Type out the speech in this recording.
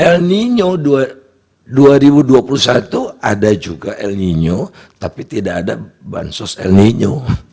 lnino dua ribu dua puluh satu ada juga lnino tapi tidak ada bansos lnino